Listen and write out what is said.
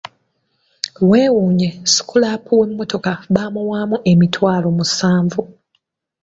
Weewuunye sikulaapu w'emmotoka baamuwaamu emitwalo musanvu.